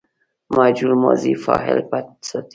مجهول ماضي فاعل پټ ساتي.